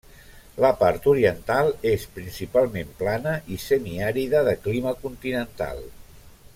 La part oriental és principalment plana i semiàrida de clima continental.